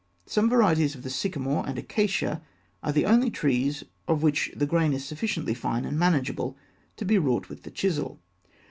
Some varieties of the sycamore and acacia are the only trees of which the grain is sufficiently fine and manageable to be wrought with the chisel.